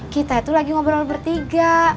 kita itu lagi ngobrol bertiga